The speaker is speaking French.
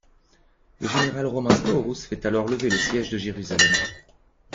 Le général romain Scaurus fait alors lever le siège de Jérusalem.